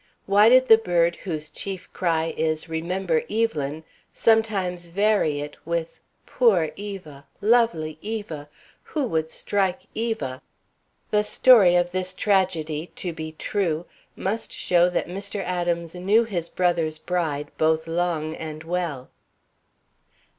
Why did the bird whose chief cry is "Remember Evelyn!" sometimes vary it with "Poor Eva! Lovely Eva! Who would strike Eva?" The story of this tragedy, to be true, must show that Mr. Adams knew his brother's bride both long and well.